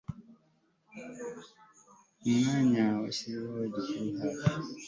Umwanya wicyatsicyera gikuze hafi